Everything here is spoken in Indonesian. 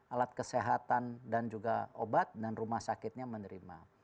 alat kesehatan dan juga obat dan rumah sakitnya menerima